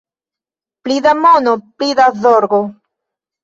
Pli da mono, pli da zorgo.